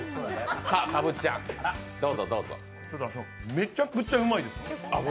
めちゃくちゃうまいです。